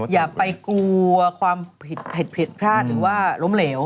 อย่าไปกลัวความผิดผิดพลาดหรือว่าล้มเหลว